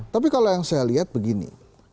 tapi kalau yang saya lihat begini